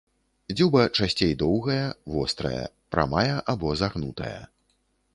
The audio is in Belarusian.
Дзюба часцей доўгая, вострая, прамая або загнутая.